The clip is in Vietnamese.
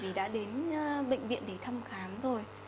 vì đã đến bệnh viện để thăm khám rồi